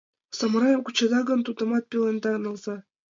Самурайым кучеда гын, тудымат пеленда налза.